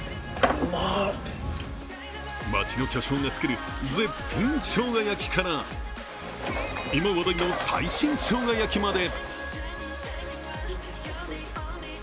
街の巨匠が作る絶品しょうが焼きから今話題の最新しょうが焼きまで。